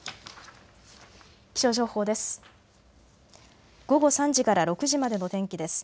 気象情報です。